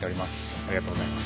ありがとうございます。